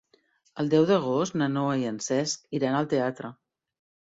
El deu d'agost na Noa i en Cesc iran al teatre.